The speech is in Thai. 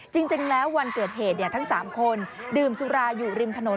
จริงแล้ววันเกิดเหตุทั้ง๓คนดื่มสุราอยู่ริมถนน